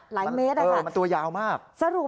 หลายเมตรค่ะสรุปแล้วมันตัวยาวมาก